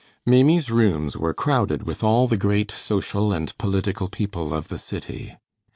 Maimie's rooms were crowded with all the great social and political people of the city.